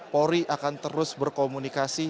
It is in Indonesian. polri akan terus berkomunikasi